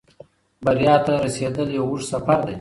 بریا ته رسېدل یو اوږد سفر دی.